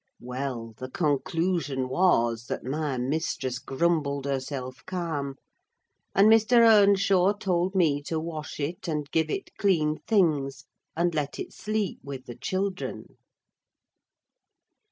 Well, the conclusion was, that my mistress grumbled herself calm; and Mr. Earnshaw told me to wash it, and give it clean things, and let it sleep with the children.